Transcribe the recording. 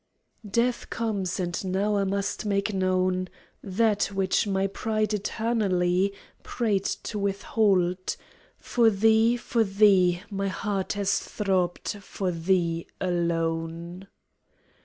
Death comes, and now must I make known That which my pride eternally Prayed to withhold; for thee, for thee, My heart has throbbed for thee alone.